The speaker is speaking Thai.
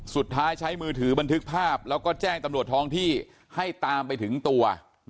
ใช้มือถือบันทึกภาพแล้วก็แจ้งตำรวจท้องที่ให้ตามไปถึงตัว